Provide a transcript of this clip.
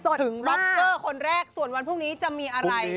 ถึงร็อกเกอร์คนแรกส่วนวันพรุ่งนี้จะมีอะไร